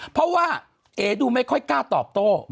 เพราะว่าเอ๋ดูไม่ค่อยกล้าตอบโต้